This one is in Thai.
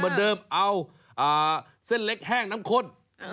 เหมือนเดิมเอาเส้นเล็กแห้งน้ำข้น